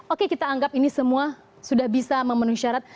oke kita anggap ini semua sudah bisa memenuhi syarat